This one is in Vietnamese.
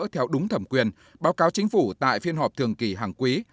theo đúng thẩm quyền báo cáo chính phủ tại phiên họp thường kỳ hàng quý